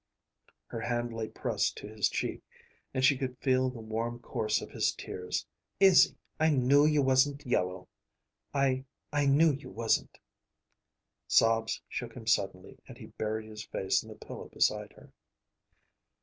Her hand lay pressed to his cheek and she could feel the warm course of his tears. "Izzy, I knew you wasn't yellow; I I knew you wasn't." Sobs shook him suddenly and he buried his face in the pillow beside her.